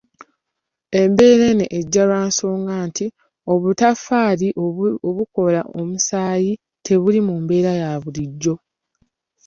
Embeera eno ejjawo lwa nsonga nti obutaffaali obukola omusaayi tebuli mu mbeera ya bulijjo.